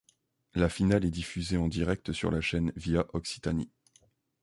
La finale est diffusée en direct sur la chaîne ViàOccitanie.